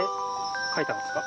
書いたんですか？